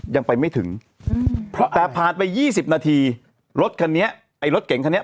ยังไปไม่ถึงแต่ผ่านไป๒๐นาทีรถคันนี้ไอ้รถเก่งคันนี้